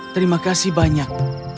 terima kasih banyak